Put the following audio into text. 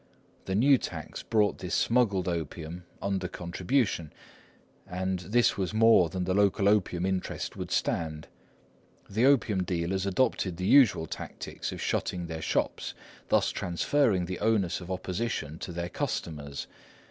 The new tax brought this smuggled opium under contribution, and this was more than the local opium interest would stand. The opium dealers adopted the usual tactics of shutting their shops, thus transferring the onus of opposition to their customers.